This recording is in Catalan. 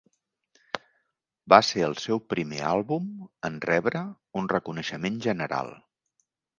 Va ser el seu primer àlbum en rebre un reconeixement general.